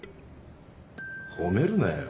褒めるなよ。